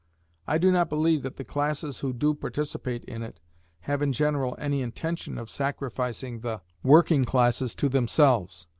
I do not believe that the classes who do participate in it have in general any intention of sacrificing the working classes to themselves.